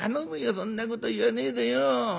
そんなこと言わねえでよ。